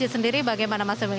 dari sendiri bagaimana masjid ini